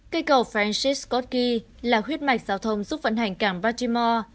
cây cầu francis scott key là huyết mạch giao thông giúp vận hành cảng baltimore